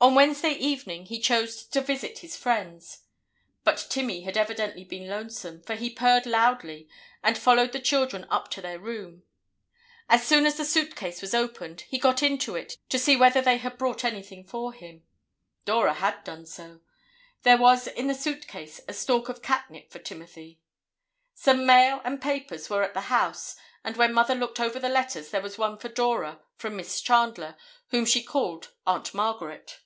On Wednesday evening he chose to visit his friends. But Timmy had evidently been lonesome, for he purred loudly and followed the children up to their room. As soon as the suit case was opened, he got into it to see whether they had brought anything for him. Dora had done so. There was in the suit case a stalk of catnip for Timothy. Some mail and papers were at the house and when Mother looked over the letters there was one for Dora from Miss Chandler, whom she called Aunt Margaret.